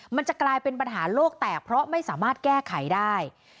มันจะกลายเป็นปัญหาโลกแตกเพราะไม่สามารถแก้ไขได้